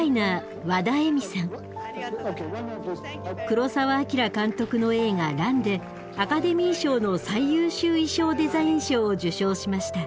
黒澤明監督の映画「乱」でアカデミー賞の最優秀衣装デザイン賞を受賞しました。